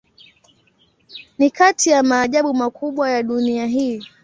Ni kati ya maajabu makubwa ya dunia hii.